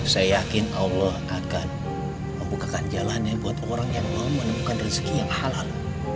saya yakin allah akan membukakan jalannya buat orang yang mau menemukan rezeki yang halal